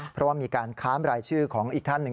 เพราะว่ามีการค้านรายชื่อของอีกท่านหนึ่ง